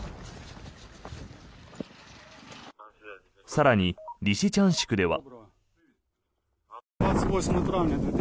更に、リシチャンシクでは。